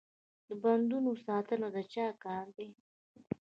د بندونو ساتنه د چا کار دی؟